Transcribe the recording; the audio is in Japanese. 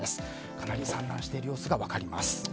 かなり散乱している様子が分かります。